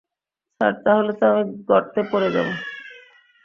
Sir, তাহলে তো আমি গর্তে পড়ে যাব।